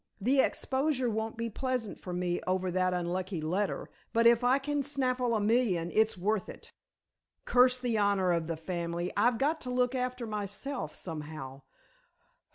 "The exposure won't be pleasant for me over that unlucky letter, but if I can snaffle a million, it's worth it. Curse the honor of the family, I've got to look after myself somehow.